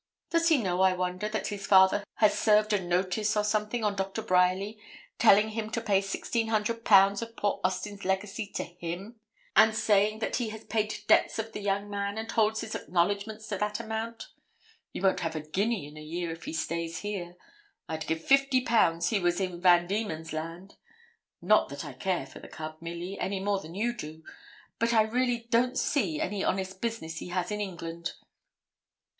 Does he know, I wonder, that his father has served a notice or something on Dr. Bryerly, telling him to pay sixteen hundred pounds of poor Austin's legacy to him, and saying that he has paid debts of the young man, and holds his acknowledgments to that amount? He won't have a guinea in a year if he stays here. I'd give fifty pounds he was in Van Diemen's Land not that I care for the cub, Milly, any more than you do; but I really don't see any honest business he has in England.'